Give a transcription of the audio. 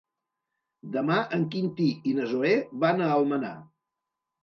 Demà en Quintí i na Zoè van a Almenar.